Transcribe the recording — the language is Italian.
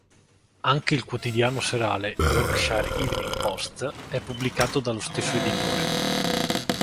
Anche il quotidiano serale "Yorkshire Evening Post" è pubblicato dallo stesso editore.